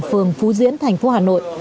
phường phú diễn tp hcm